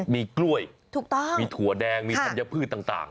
มีกล้วยมีถั่วแดงมีธรรยพืชต่าง